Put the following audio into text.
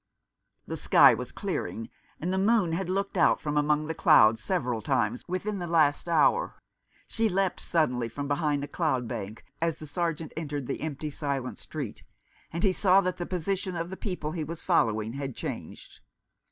The sky was clearing, and the moon had looked out from among the clouds several times within the last hour. She leapt suddenly from behind a cloud bank as the Sergeant entered the empty, silent street, and he saw that the position of the people he was following had changed.